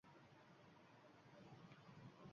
Necha ming yilda ketdi, kelmadi bir roʻzi farhonda